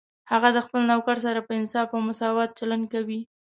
هغه د خپل نوکر سره په انصاف او مساوات چلند کوي